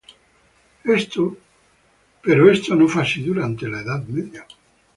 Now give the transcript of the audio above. Pero esto no fue así durante la Edad Media.